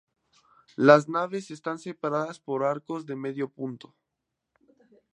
Las naves están separadas por arcos de medio punto.